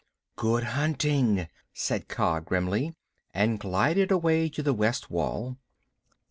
"Good hunting," said Kaa grimly, and glided away to the west wall.